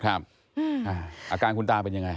อาการคุณตาเป็นยังไง